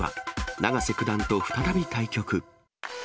永瀬九段と再び対局。